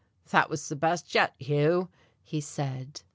"That was the best yet, Hugh," he said.